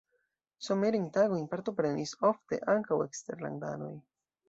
Somerajn tagojn partoprenis ofte ankaŭ eksterlandanoj.